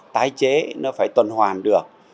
tái chế nó phải tuần hoàn được